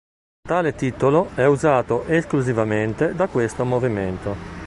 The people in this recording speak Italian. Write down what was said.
Tale titolo è usato esclusivamente da questo movimento.